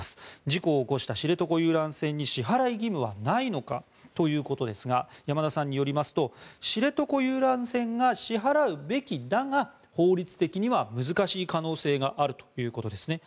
事故を起こした知床遊覧船に支払い義務はないのかということですが山田さんによりますと知床遊覧船が支払うべきだが法律的には難しい可能性があるということですね。